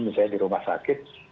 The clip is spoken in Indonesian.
misalnya di rumah sakit